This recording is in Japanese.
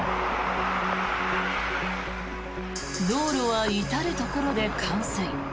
道路は至るところで冠水。